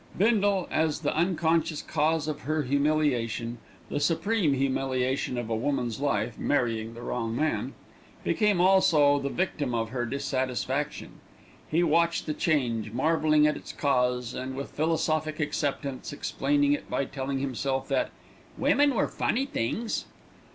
Bindle, as the unconscious cause of her humiliation the supreme humiliation of a woman's life, marrying the wrong man became also the victim of her dissatisfaction. He watched the change, marvelling at its cause, and with philosophic acceptance explaining it by telling himself that "women were funny things."